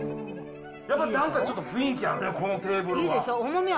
やっぱなんかちょっと雰囲気あるね、このテーブルは。